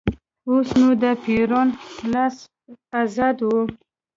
اوس نو د پېرون لاس ازاد و.